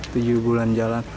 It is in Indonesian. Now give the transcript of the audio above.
tujuh bulan jalan